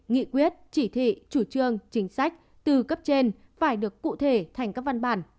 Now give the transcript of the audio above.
nghị quyết chỉ thị chủ trương chính sách từ cấp trên phải được cụ thể thành các văn bản